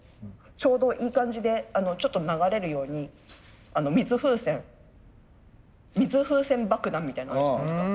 ちょうどいい感じでちょっと流れるように水風船水風船爆弾みたいのあるじゃないですか。